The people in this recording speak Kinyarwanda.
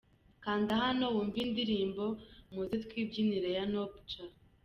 Kanda hano wumve indirimbo Muze twibyinire ya Noop Ja.